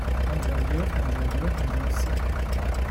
پنجاه و یک، پنجاه و دو، پنجاه و سه.